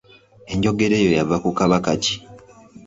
Enjogera eyo yava ku Kabaka ki?